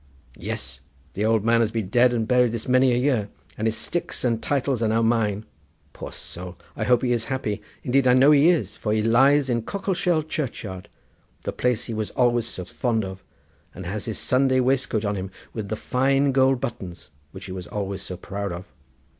"Yes! the old man has been dead and buried this many a year, and his sticks and titles are now mine. Poor soul, I hope he is happy; indeed I know he is, for he lies in Cockleshell churchyard, the place he was always so fond of, and has his Sunday waistcoat on him with the fine gold buttons, which he was always so proud of.